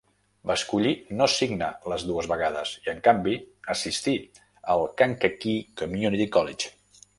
Va escollir no signar les dues vegades, i en canvi assistir al Kankakee Community College.